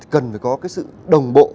cần phải có cái sự đồng bộ